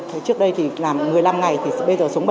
thế trước đây thì làm một mươi năm ngày thì bây giờ sống